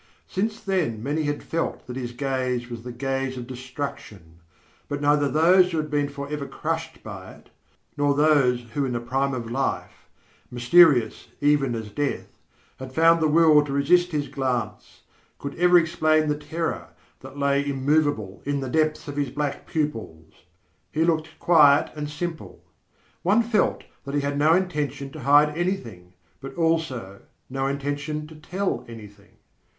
Since then many had felt that his gaze was the gaze of destruction, but neither those who had been forever crushed by it, nor those who in the prime of life (mysterious even as death) had found the will to resist his glance, could ever explain the terror that lay immovable in the depths of his black pupils. He looked quiet and simple. One felt that he had no intention to hide anything, but also no intention to tell anything.